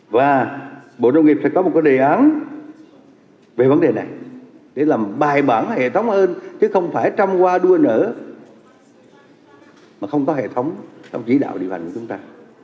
và bộ nông nghiệp sẽ có một cái đề án về vấn đề này để làm bài bản hệ thống hơn chứ không phải trăm qua đua nữa mà không có hệ thống trong chỉ đạo điều hành của chúng ta